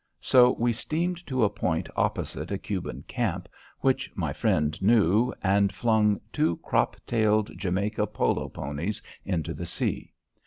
So we steamed to a point opposite a Cuban camp which my friend knew, and flung two crop tailed Jamaica polo ponies into the sea.